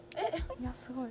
いやすごい。